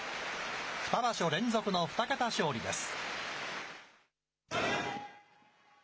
２場所連続の２桁勝利です。